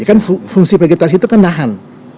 kan fungsi vegetasi itu kan nahan